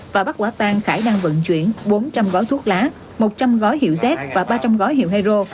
và bắt quả tang khải đang vận chuyển bốn trăm linh gói thuốc lá một trăm linh gói hiệu z và ba trăm linh gói hiệu hero